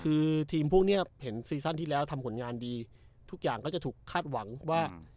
คือทีมพวกนี้เห็นซีซั่นที่แล้วทำผลงานดีทุกอย่างก็จะถูกคาดหวังว่า